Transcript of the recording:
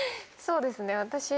そうですね。